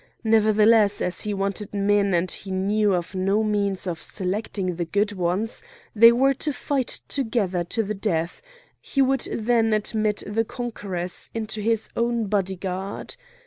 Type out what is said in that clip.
Nevertheless, as he wanted men and he knew of no means of selecting the good ones, they were to fight together to the death; he would then admit the conquerors into his own body guard.